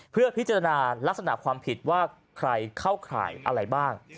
เพื่อพิจารณาลักษณะความผิดว่าใครเข้าข่ายอะไรบ้าง